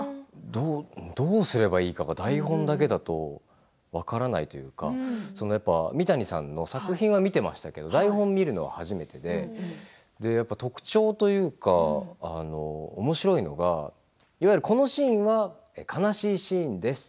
どうすればいいか台本だけだと分からないというか三谷さんの作品は見ていましたけれど、台本を見るのは初めてで特徴というかおもしろいのがいわゆるこのシーンは悲しいシーンです。